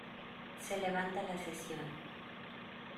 Se levanta la sesión.